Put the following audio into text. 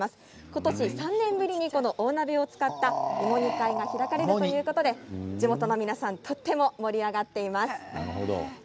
今年３年ぶりに大鍋を使った芋煮会が開かれるということで地元の皆さんとても盛り上がっています。